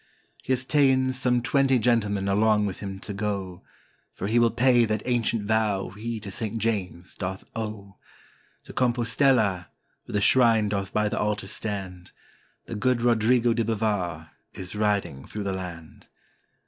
] He has ta'en some twenty gentlemen along with him to go. For he will pay that ancient vow he to St. James doth owe; To Compostella, where the shrine doth by the altar stand. The Good Rodrigo de Bivar is riding through the land.